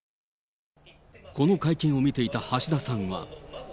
この会見を見ていた橋田さんは。